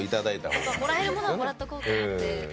もらえるものはもらっておこうと。